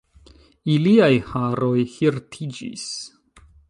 Iliaj haroj hirtiĝis.